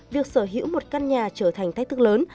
việc sở hữu một căn nhà trở thành thách thức lớn